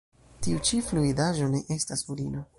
Tiu ĉi fluidaĵo ne estas urino.